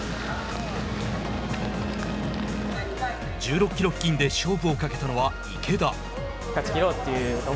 １６キロ付近で勝負を懸けたのは池田。